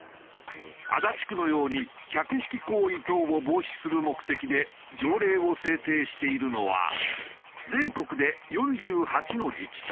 足立区のように客引き行為等を防止する目的で条例を制定しているのは全国で４８の自治体。